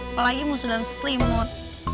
apalagi musuh dalam selimut